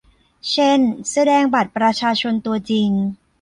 เช่น แสดงบัตรประชาชนตัวจริง